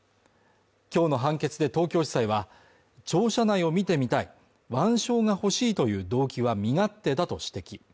今日の判決で東京地裁は、庁舎内を見てみたい腕章が欲しいという動機は身勝手だと指摘。